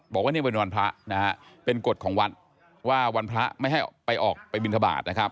บอกว่าเนี่ยเป็นวันพระนะฮะเป็นกฎของวัดว่าวันพระไม่ให้ไปออกไปบินทบาทนะครับ